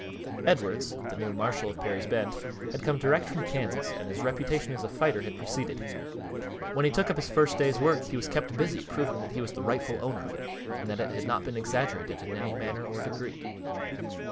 Edwards, the new marshal of Perry's Bend, had come direct from Kansas and his reputation as a fighter had preceded him. When he took up his first day's work he was kept busy proving that he was the rightful owner of it and that it had not been exaggerated in any manner or degree.